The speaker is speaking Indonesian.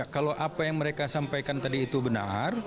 kalau apa yang mereka sampaikan tadi itu benar